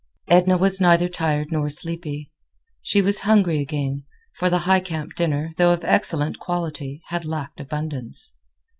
Edna was neither tired nor sleepy. She was hungry again, for the Highcamp dinner, though of excellent quality, had lacked abundance.